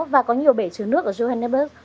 và có nhiều bể chứa nước ở johannesburg